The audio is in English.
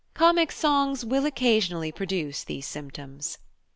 Comic sings will occasionally produce these symptoms!